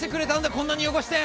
こんなに汚して！